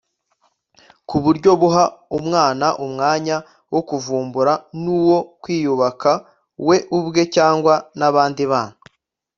ku buryo buha umwana umwanya wo kuvumbura n’uwo kwiyubaka we ubwe cyangwa n’abandi bana